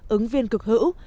ứng viên cực hữu